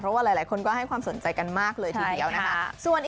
เพราะว่าหลายคนก็ให้ความสนใจกันมากเลยทีเดียวนะคะ